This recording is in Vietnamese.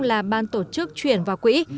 đó là ban tổ chức chuyển vào quỹ